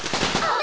あ。